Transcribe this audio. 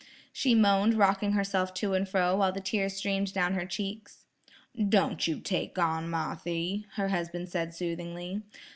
she moaned rocking herself to and fro while the tears streamed down her cheeks. "Don' you take on, Marthy," her husband said soothingly.